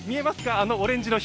あのオレンジの光。